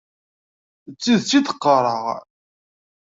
D tidet i d-qqareɣ.